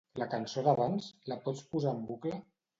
La cançó d'abans, la pots posar en bucle?